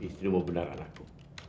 istrimu benar anakku